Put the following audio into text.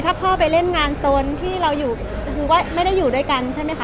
ถ้าพ่อไปเล่นงานโซนที่เราอยู่คือว่าไม่ได้อยู่ด้วยกันใช่ไหมคะ